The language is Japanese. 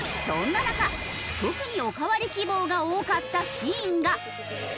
そんな中特におかわり希望が多かったシーンが。